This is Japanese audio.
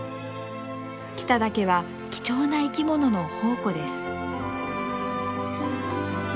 北岳は貴重な生き物の宝庫です。